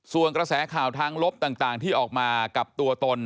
ส่วนกระแสข่าวทางลบต่างที่ออกมากับตัวตน